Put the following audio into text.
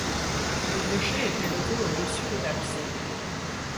Le clocher est élevé au-dessus de l'abside.